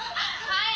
はい。